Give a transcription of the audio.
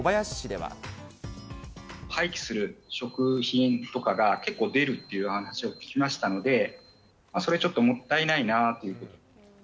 廃棄する食品とかが結構出るっていう話を聞きましたので、それちょっともったいないなというふうに。